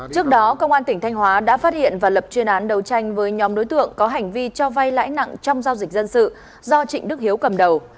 trước đó công an tỉnh thanh hóa đã phát hiện và lập chuyên án đấu tranh với nhóm đối tượng có hành vi cho vay lãi nặng trong giao dịch dân sự do trịnh đức hiếu cầm đầu